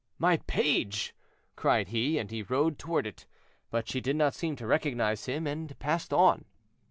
"My page!" cried he, and he rode toward it; but she did not seem to recognize him, and passed on.